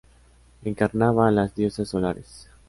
Encarnaba a las diosas solares.